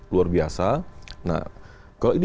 luar biasa nah kalau ini